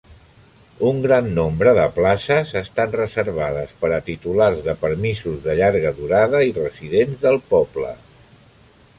Un gran nombre de places estan reservades per a titulars de permisos de llarga durada i residents del poble.